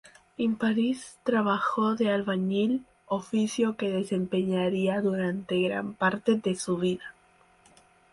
En París, trabajó de albañil, oficio que desempeñaría durante gran parte de su vida.